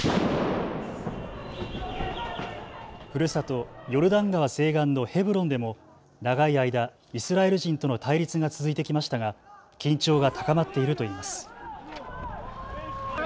ふるさと、ヨルダン川西岸のヘブロンでも長い間、イスラエル人との対立が続いてきましたが緊張が高まっているといいます。